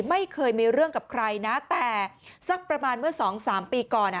ไม่เคยมีเรื่องกับใครนะแต่สักประมาณเมื่อสองสามปีก่อน